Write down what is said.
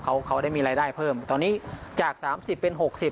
เขาเขาได้มีรายได้เพิ่มตอนนี้จากสามสิบเป็นหกสิบ